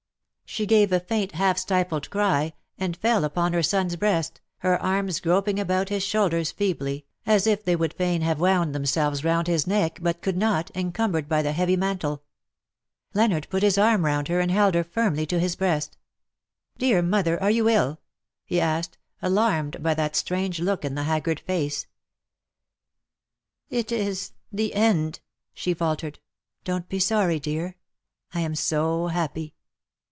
She gave a faint half stifled cry^ and fell upon her son^s breast,, her arms groping about his shoulders feebly, as if they would fain have wound themselves round his neck, but could not, encum bered by the heavy mantle. Leonard put his arm round her, and held her firmly to his breast. ^' Dear mother, are you ill V he asked, alarmed by that strange look in the haggard face. '^ It is the end/' she faltered. " Don^t be sorry, dear. I am so happy